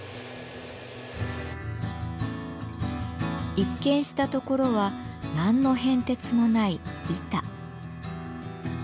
一見したところは何の変哲もない「板」。